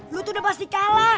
lu tuh udah pasti kalah